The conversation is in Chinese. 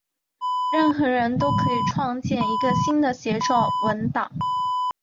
任何人都可以创建一个新的协作文档。